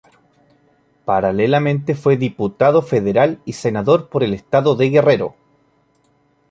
Paralelamente fue diputado federal y senador por el estado de Guerrero.